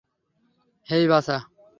হেই, বাছা।